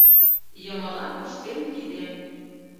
Йымалан пыштем кидем: